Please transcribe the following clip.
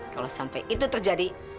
kalau sampai itu terjadi